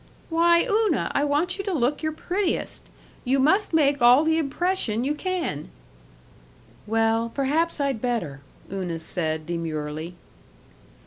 "Why, Una, I want you to look your prettiest! You must make all the impression you can." "Well, perhaps I'd better," Una said, demurely.